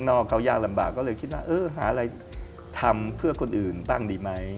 อกเขายากลำบากก็เลยคิดว่าเออหาอะไรทำเพื่อคนอื่นบ้างดีไหม